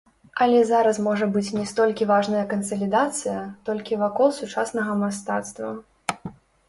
Але зараз можа быць не столькі важная кансалідацыя толькі вакол сучаснага мастацтва.